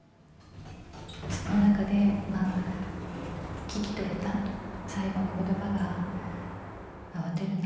その中で、聞き取れた最後のことばが、慌てるな、